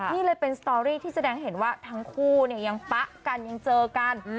นี่เลยเป็นสตอรี่ที่แสดงให้เห็นว่าทั้งคู่เนี่ยยังปะกันยังเจอกัน